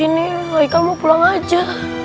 ini aikal mau pulang aja